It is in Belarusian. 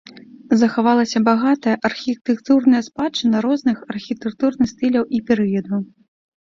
Захавалася багатая архітэктурная спадчына розных архітэктурных стыляў і перыядаў.